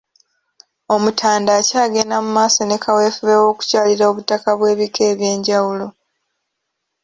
Omutanda akyagenda mu maaso ne kaweefube w'okukyalira obutaka bw'ebika eby'enjawulo.